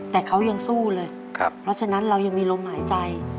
แต่เขายังสู้เลยเพราะฉะนั้นเรายังมีลมหายใจ